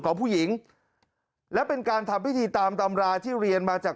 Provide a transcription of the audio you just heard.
ของผู้หญิงและเป็นการทำพิธีตามตำราที่เรียนมาจาก